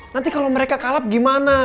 nanti kalau mereka kalap gimana